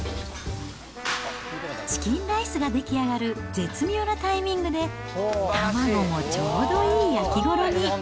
チキンライスが出来上がる絶妙なタイミングで、卵もちょうどいい焼きごろに。